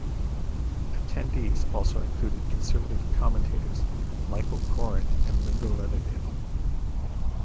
Attendees also included conservative commentators Michael Coren and Linda Leatherdale.